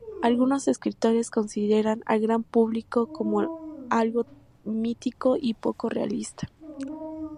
Algunos escritores consideran al gran público como algo mítico y poco realista.